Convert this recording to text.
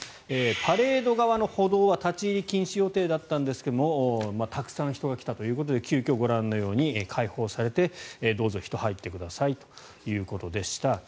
パレード側の歩道は立ち入り禁止予定だったんですがたくさん人が来たということで急きょ、ご覧のように開放されて、どうぞ人が入ってくださいということでした。